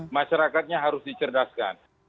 masyarakatnya harus dicerdaskan